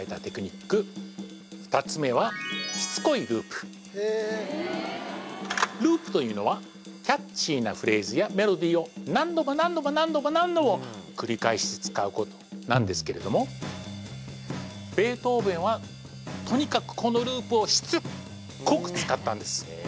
２つめはループというのはキャッチーなフレーズやメロディを何度も何度も何度も何度も繰り返し使うことなんですけれどもベートーヴェンはとにかくこのループをしつっこく使ったんです